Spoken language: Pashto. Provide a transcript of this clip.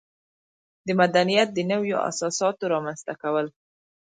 د مدنیت د نویو اساساتو رامنځته کول.